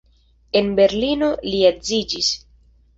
En Berlino li edziĝis.